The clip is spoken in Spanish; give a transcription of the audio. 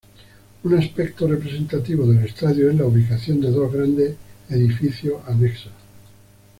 Un aspecto representativo del estadio es la ubicación de dos grandes edificios anexos.